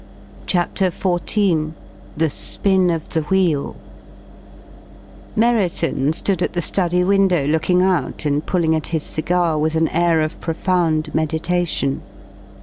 CHAPTER XIV THE SPIN OF THE WHEEL Merriton stood at the study window, looking out, and pulling at his cigar with an air of profound meditation.